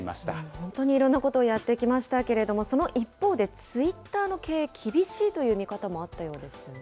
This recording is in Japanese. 本当にいろんなことをやってきましたけれども、その一方で、ツイッターの経営、厳しいという見方もあったようですね。